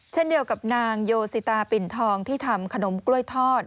เช่นเดียวกับนางโยสิตาปิ่นทองที่ทำขนมกล้วยทอด